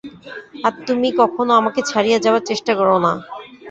আর তুমি কখনো আমাকে ছাড়িয়ে যাবার চেষ্টা করো না।